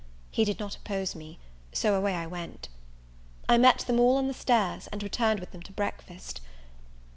He did not oppose me so away I went. I met them all on the stairs, and returned with them to breakfast.